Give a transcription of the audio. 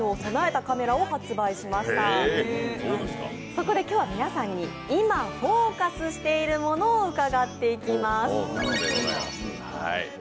そこで今日は皆さんに、今フォーカスしているものを伺っていきます。